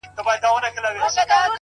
دا ارزښتمن شى په بټوه كي ساته’